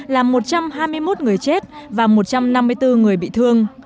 làm một trăm hai mươi một người chết và một trăm năm mươi bốn người bị thương